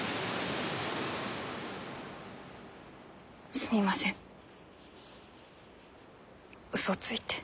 すみませんうそついて。